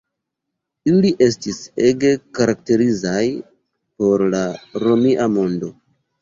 Ili estis ege karakterizaj por la Romia mondo.